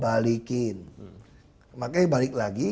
balikin makanya balik lagi